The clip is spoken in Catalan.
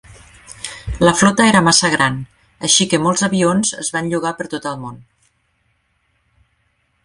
La flota era massa gran, així que molts avions es van llogar per tot el món.